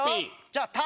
じゃあ「た」。